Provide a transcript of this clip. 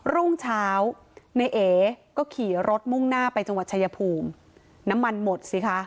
รุ่งเช้าในเอก็ขี่รถมุ่งหน้าไปจังหวัดชายภูมิน้ำมันหมดสิคะ